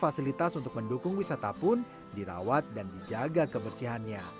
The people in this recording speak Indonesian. fasilitas untuk mendukung wisata pun dirawat dan dijaga kebersihannya